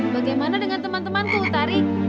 bagaimana dengan teman temanku tari